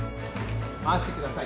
回してください。